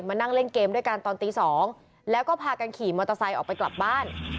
นั่งเล่นเกมด้วยกันตอนตี๒แล้วก็พากันขี่มอเตอร์ไซค์ออกไปกลับบ้าน